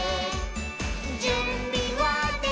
「じゅんびはできた？